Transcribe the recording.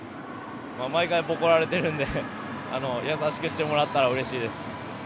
毎回ボコられてるので優しくしてもらったらうれしいです。